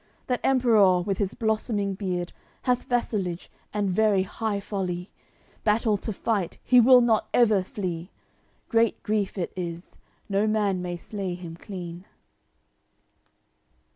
That Emperour, with his blossoming beard, Hath vassalage, and very high folly; Battle to fight, he will not ever flee. Great grief it is, no man may slay him clean."